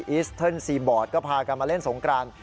อิสเทิร์นซีบอร์ดก็พากันมาเล่นสงกราน